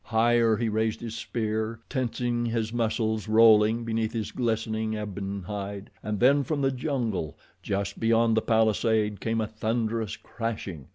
Higher he raised his spear, tensing his muscles, rolling beneath his glistening, ebon hide, and then from the jungle just beyond the palisade came a thunderous crashing.